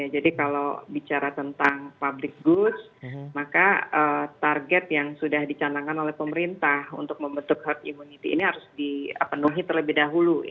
jadi kalau bicara tentang public goods maka target yang sudah dicanangkan oleh pemerintah untuk membentuk herd immunity ini harus dipenuhi terlebih dahulu